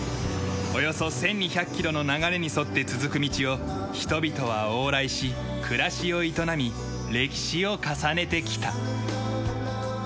およそ１２００キロの流れに沿って続く道を人々は往来し暮らしを営み歴史を重ねてきた。